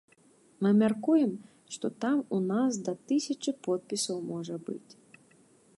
Мы мяркуем, што там у нас да тысячы подпісаў можа быць.